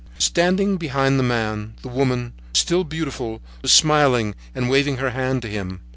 Standing behind the man, the woman, still beautiful, was smiling and waving her hands to him.